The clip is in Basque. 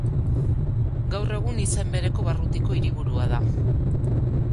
Gaur egun izen bereko barrutiko hiriburua da.